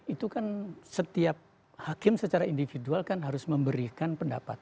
itu kan setiap hakim secara individual kan harus memberikan pendapat